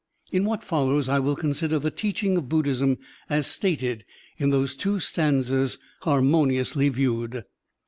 In what follows I will consider the teaching of Buddhism as stated in those two stanzas harmo niously viewed.